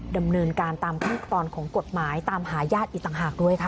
ดำเนินการตามขั้นตอนของกฎหมายตามหาญาติอีกต่างหากด้วยค่ะ